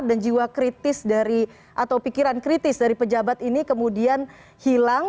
jiwa kritis dari atau pikiran kritis dari pejabat ini kemudian hilang